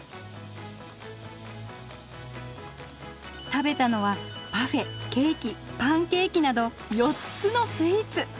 食べたのはパフェケーキパンケーキなど４つのスイーツ！